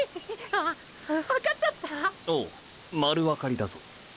⁉あっわわかっちゃった⁉おう丸わかりだぞ。